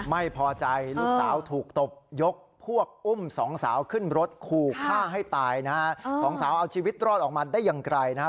ไม่พอใจลูกสาวถูกตบยกพวกอุ้มสองสาวขึ้นรถขู่ฆ่าให้ตายนะฮะสองสาวเอาชีวิตรอดออกมาได้อย่างไกลนะฮะ